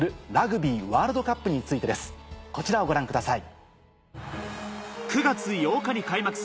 こちらをご覧ください。